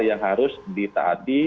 yang harus ditaati